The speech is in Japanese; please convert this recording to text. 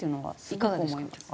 いかがですか？